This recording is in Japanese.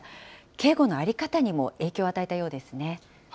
警護の在り方にも影響を与えたようですね。